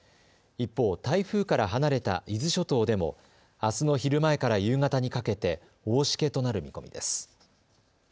一方、台風から離れた伊豆諸島でもあすの昼前から夕方にかけて大しけとなる見込みです。